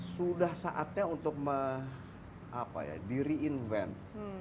sudah saatnya untuk di reinvent